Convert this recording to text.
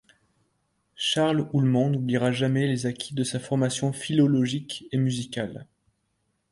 Charles Oulmont n’oubliera jamais les acquis de sa formation philologique et musicale.